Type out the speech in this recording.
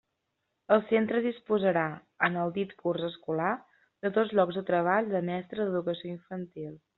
El centre disposarà, en el dit curs escolar, de dos llocs de treball de mestre d'Educació Infantil.